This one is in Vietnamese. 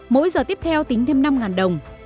mỗi giờ tiếp theo tính thêm năm đồng